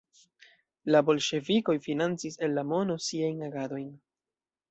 La bolŝevikoj financis el la mono siajn agadojn.